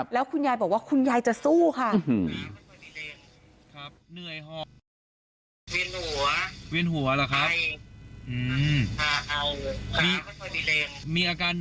แล้วคุณยายบอกว่าคุณยายจะสู้ค่ะ